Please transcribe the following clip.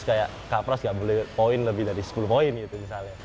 kayak kak pras nggak boleh poin lebih dari sepuluh poin gitu misalnya